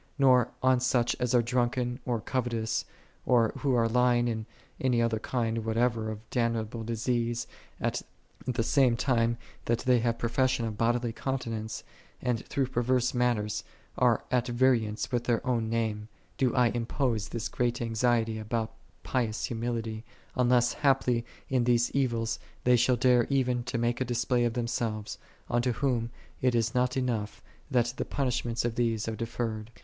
Nor on such as are drunken, or covetous, or who are lying in any other kind whatever of damnable disease, at the same time that they have profession of bodily continence, and through perverse manners are at variance with their own name, do I impose this great anxiety about pious humility: unless haply in these evils they shall dare even to make a display of themselves, unto whom it is not enough, that the punishments of these are deferred.